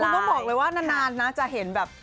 แต่คุณก็บอกเลยว่านานจะเห็นแบบ